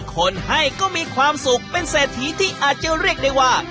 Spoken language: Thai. คนให้ก็มีความสุขเป็นเศรษฐีที่อาจจะเรียกได้ว่า